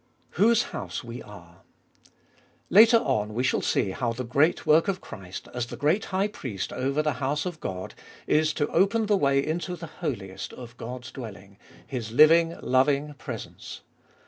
Whose house we are. Later on we shall see how the great work of Christ, as the great High Priest over the house of God, is to open the way into the holiest of God's dwelling, His living, loving presence.